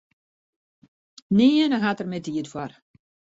Nearne hat er mear tiid foar.